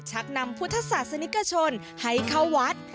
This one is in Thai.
ชักนำพุทธศาสนิกชนให้เข้าวัด